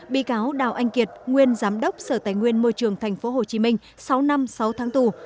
bị cáo đào anh kiệt nguyên giám đốc sở tài nguyên môi trường tp hcm sáu năm sáu tháng tù